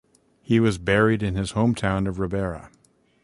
He was buried in his home town of Ribera.